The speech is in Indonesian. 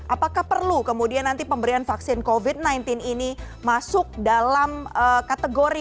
apakah perlu kemudian nanti pemberian vaksin covid sembilan belas ini masuk dalam kategori